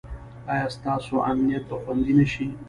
ایا ستاسو امنیت به خوندي نه شي؟